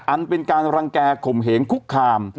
อันเป็นการรังแก่ข่มเหงคุกคาม